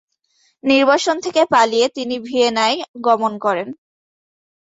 নির্বাসন থেকে পালিয়ে তিনি ভিয়েনায় গমন করেন।